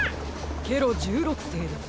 ケロ１６世です。